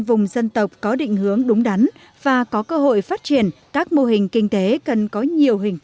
vùng dân tộc có định hướng đúng đắn và có cơ hội phát triển các mô hình kinh tế cần có nhiều hình